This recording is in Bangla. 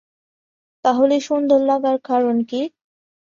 তাহলে সুন্দর লাগার কারণ কি?